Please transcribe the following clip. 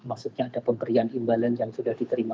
maksudnya ada pemberian imbalan yang sudah diterima